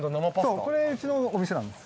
そうこれうちのお店なんです。